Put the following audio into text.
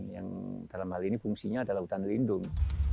yang dalam hal ini fungsinya adalah hutan lindung